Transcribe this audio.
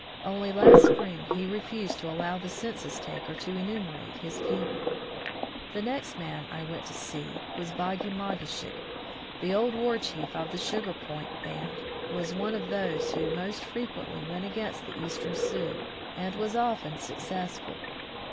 Only last spring he refused to allow the census taker to enumerate his people. The next man I went to see was Boggimogi shig. The old war chief of the Sugar Point band was one of those who most frequently went against the Eastern Sioux, and was often successful.